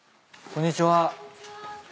こんにちは。